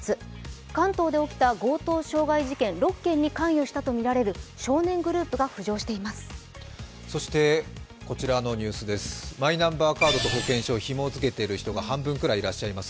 関東で起きた強盗傷害事件６件に関与したとみられる少年グループが浮上しています。